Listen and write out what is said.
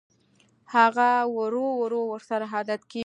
هغه ورو ورو ورسره عادت کېږي